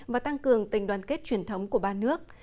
và tăng cường tình đoàn kết truyền thống của ba nước